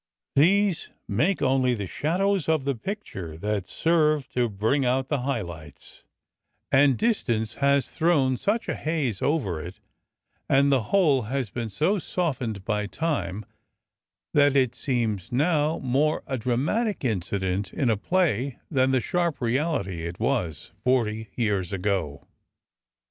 These make only the shadows of the picture that serve to bring out the high lights, — and distance has thrown such a haze over it, and the whole has been so softened by time, that it seems now more a dramatic incident in a play than the sharp reality it was forty years ago.